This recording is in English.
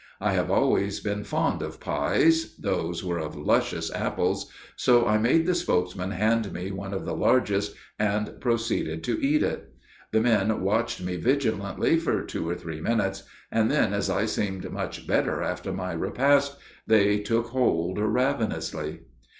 I have always been fond of pies, these were of luscious apples, so I made the spokesman hand me one of the largest, and proceeded to eat it. The men watched me vigilantly for two or three minutes, and then, as I seemed much better after my repast, they took hold ravenously.